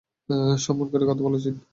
সম্মান করে কথা বলা উচিত।